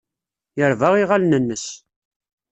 Yerba iɣallen-nnes.